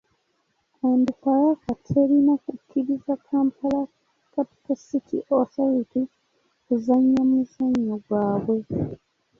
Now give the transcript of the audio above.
Onduparaka terina kukkiriza Kampala Capital City Authority kuzannya muzannyo gwabwe.